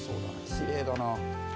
きれいだな。